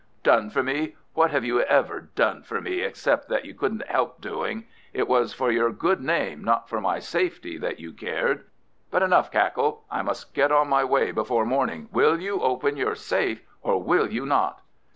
"Done for me! What have you ever done for me except what you couldn't help doing? It was for your good name, not for my safety, that you cared. But enough cackle! I must get on my way before morning. Will you open your safe or will you not?"